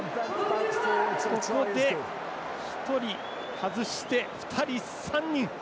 ここで、１人外して、２人、３人。